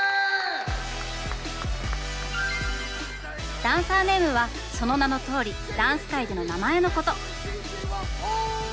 ダンサーネームはその名のとおりダンス界での名前のこと。